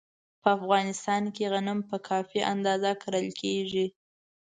په افغانستان کې غنم په کافي اندازه کرل کېږي.